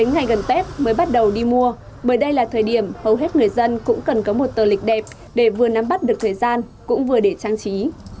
chín ngày gần tết mới bắt đầu đi mua bởi đây là thời điểm hầu hết người dân cũng cần có một tờ lịch đẹp để vừa nắm bắt được thời gian cũng vừa để trang trí